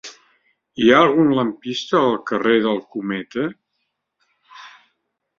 Hi ha algun lampista al carrer del Cometa?